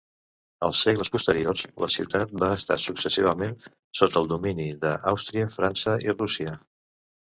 Als segles posteriors, la ciutat va estar successivament sota el domini d'Àustria, França i Rússia.